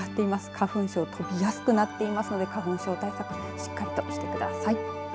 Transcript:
花粉も飛びやすくなっているので花粉症対策しっかりとしてください。